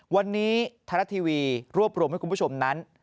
วันนี้ไทยรัฐทีวีรวบรวมให้คุณผู้ชมนั้น